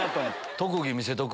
特技見せとく？